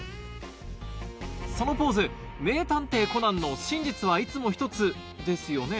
そのポーズ『名探偵コナン』の「真実はいつもひとつ」ですよね？